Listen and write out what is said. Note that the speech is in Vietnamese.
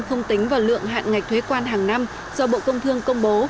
không tính vào lượng hạn ngạch thuế quan hàng năm do bộ công thương công bố